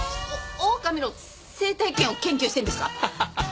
オオカミの性体験を研究してるんですか？